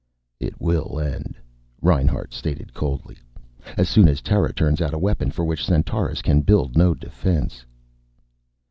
"It will end," Reinhart stated coldly, "as soon as Terra turns out a weapon for which Centaurus can build no defense."